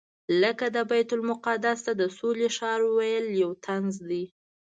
لکه د بیت المقدس ته د سولې ښار ویل یو طنز دی.